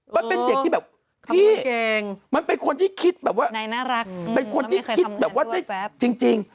เข้าในเกง